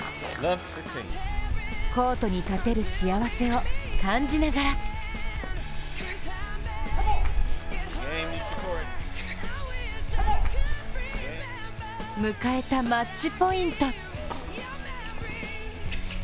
コートに立てる幸せを感じながら迎えたマッチポイント。